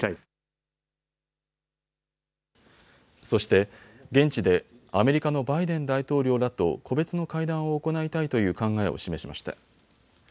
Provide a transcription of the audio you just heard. そして現地でアメリカのバイデン大統領らと個別の会談を行いたいという考えを示しました。